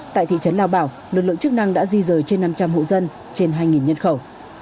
tại thị trấn lao bảo lực lượng chức năng đã di rời trên năm trăm linh hộ dân trên hai nhân khẩu